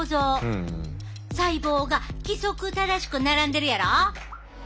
細胞が規則正しく並んでるやろ。